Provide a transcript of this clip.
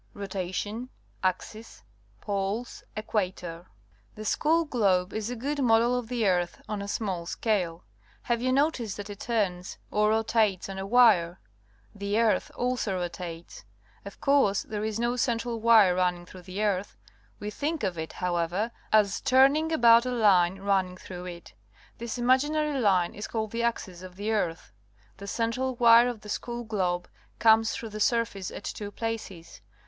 Rotation, Axis, Poles, Equator. — The school globe is a good model of tlie earth on a small scale. Have you noticed that it turns, or rotates, on a wire? The earth also rotates. Of course, there is no central wire running through the earth. We think of it, however, as turning about a line running through it. This imaginary line is called the Axis of the earth. The central wire of the school globe comes through the surface at two places.